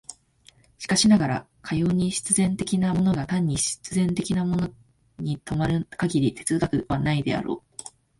しかしながら、かように必然的なものが単に必然的なものに止まる限り哲学はないであろう。